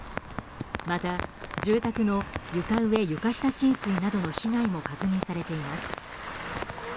また住宅の床上・床下浸水などの被害も確認されています。